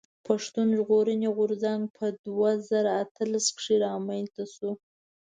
پښتون ژغورني غورځنګ په دوه زره اتلس کښي رامنځته شو.